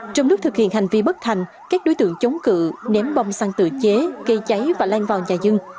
trong lúc thực hiện hành vi bất thành các đối tượng chống cự ném bom xăng tự chế gây cháy và lan vào nhà dân